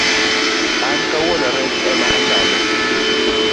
An kawuono rech emechamo